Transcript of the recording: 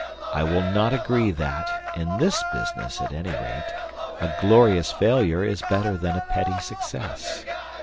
I will not agree that, in this business at any rate, a glorious failure is better than a petty success.